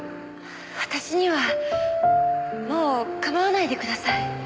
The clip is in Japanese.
私にはもう構わないでください。